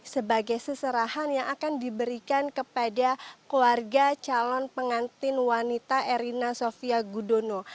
sebagai seserahan yang akan diberikan kepada keluarga calon pengantin wanita erina sofia gudono